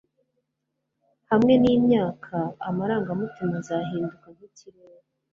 hamwe nimyaka, amarangamutima azahinduka nkikirere